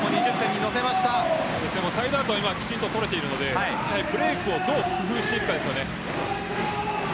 サイドアウトはきちんと取れているのでブレークをどう工夫していくかです。